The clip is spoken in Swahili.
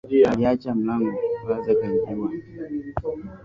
Aliacha mlangu wazi akaibiwa